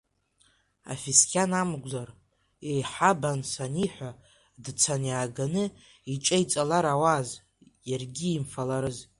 Афисхьанакәымзар, иеиҳаб анс аниҳәа, дцан иааганы иҿеиҵаларауааз, иаргьы имфаларыз!